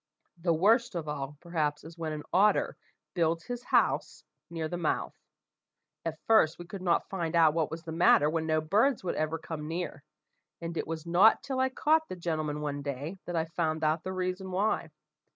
The worst of all, perhaps, is when an otter builds his house near the mouth. At first we could not find out what was the matter when no birds would ever come near, and it was not till I caught the gentleman one day, that I found out the reason why.